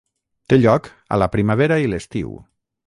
Té lloc a la primavera i l'estiu.